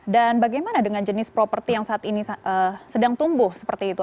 dan bagaimana dengan jenis properti yang saat ini sedang tumbuh seperti itu